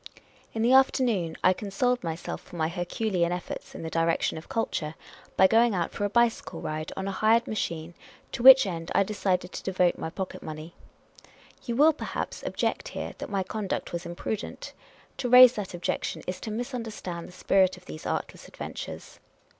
In the afternoon I consoled myself for my herculean efforts in the direction of culture by going out for a bicycle ride on a hired machine, to which end I decided to devote my pocket money. You will, perhaps, object here that my con duct was imprudent. To raise that objection is to misunder stand the spirit of these artless adventures.